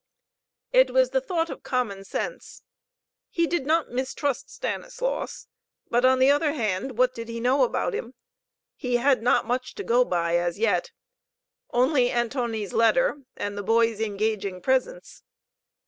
It was the thought of common sense. He did not mistrust Stanislaus. But, on the other hand, what did he know about him? He had not much to go by as yet; only Antoni's letter, and the boy's engaging presence.